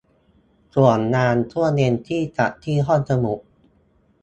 ส่วนงานช่วงเย็นที่จัดที่ห้องสมุด